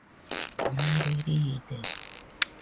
Nare riide